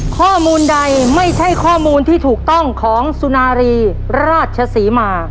ข้อมูลใดไม่ใช่ข้อมูลที่ถูกต้องของสุนารีราชศรีมา